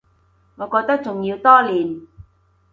我覺得仲要多練